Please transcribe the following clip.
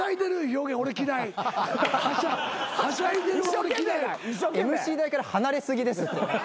ＭＣ台から離れ過ぎです。